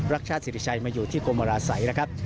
ชาติศิริชัยมาอยู่ที่กรมราศัยนะครับ